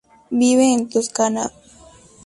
Vive en Toscana.